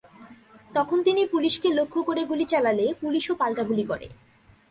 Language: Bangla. তখন তিনি পুলিশকে লক্ষ্য করে গুলি চালালে পুলিশও পাল্টা গুলি করে।